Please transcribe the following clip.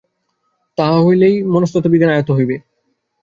তাহা হইলেই যথার্থ মনস্তত্ত্ববিজ্ঞান আয়ত্ত হইবে।